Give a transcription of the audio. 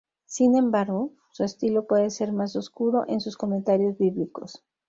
Sin embargo, su estilo puede ser más oscuro en sus comentarios bíblicos.